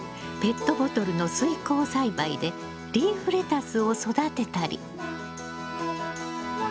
ペットボトルの水耕栽培でリーフレタスを育てたり。